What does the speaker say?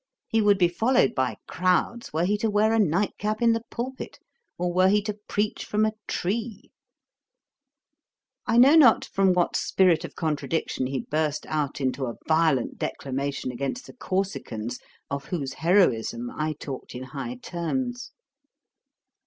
He would be followed by crowds were he to wear a night cap in the pulpit, or were he to preach from a tree.' I know not from what spirit of contradiction he burst out into a violent declamation against the Corsicans, of whose heroism I talked in high terms.